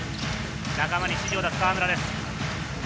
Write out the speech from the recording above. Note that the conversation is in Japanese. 仲間に指示を出す河村です。